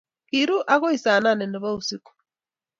Kiru akoi saa nane nebo usiku.